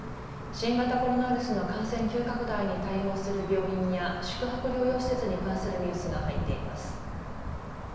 新型コロナウイルスの感染急拡大に対応する病院や宿泊療養施設に関するニュースが入っています。